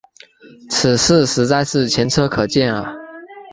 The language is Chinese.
此事实在是前车可鉴啊。